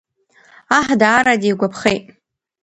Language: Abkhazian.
Аҳ даара дигәаԥхеит.